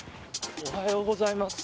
おはようございます。